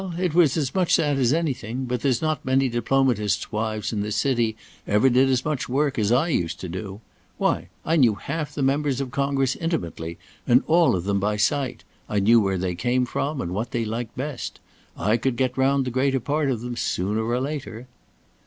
it was as much that as anything, but there's not many diplomatists' wives in this city ever did as much work as I used to do. Why, I knew half the members of Congress intimately, and all of them by sight. I knew where they came from and what they liked best. I could get round the greater part of them, sooner or later."